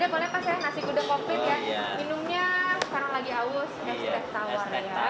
minumnya sekarang lagi awus